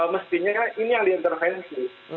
mestinya ini yang diintervensi